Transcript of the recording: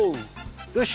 よし！